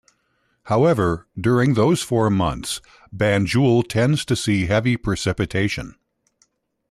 However, during those four months, Banjul tends to see heavy precipitation.